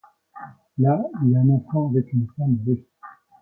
Là, il a un enfant avec une femme russe.